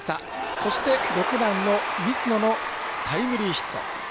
そして６番の水野のタイムリーヒット。